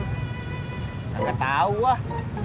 gak tau ah